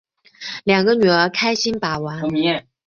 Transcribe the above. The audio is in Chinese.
两个女儿开心把玩